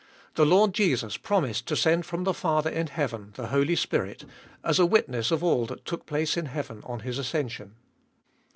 The Lord Jesus promised to send from the Father in heaven the Holy Spirit, as a witness of all that took place in heaven on His ascension.